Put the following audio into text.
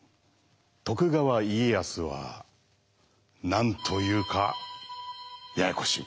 徳川家康は何というかややこしい。